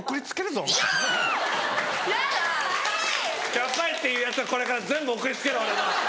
キャパいって言うヤツはこれから全部送りつける俺の。